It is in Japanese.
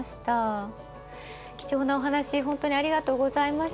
貴重なお話本当にありがとうございました。